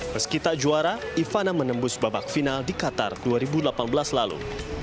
meski tak juara ivana menembus babak final di qatar dua ribu delapan belas lalu